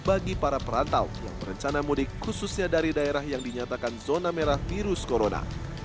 bagi para perantau yang berencana mudik khususnya dari daerah yang dinyatakan zona merah virus corona